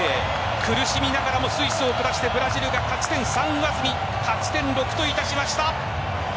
苦しみながらもスイスを下してブラジルが勝ち点３を上積み勝ち点６としました。